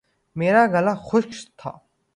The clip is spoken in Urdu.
میرا گلا خشک تھا